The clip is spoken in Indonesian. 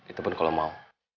itu pun kalau mau